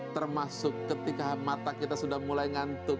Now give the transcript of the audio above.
termasuk ketika mata kita sudah mulai ngantuk